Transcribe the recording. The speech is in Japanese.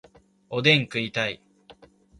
おでん食いたい